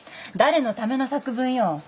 誰のための作文よ。